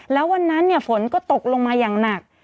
แล้ววันนั้นฝนก็ตกลงมาอย่างหนัก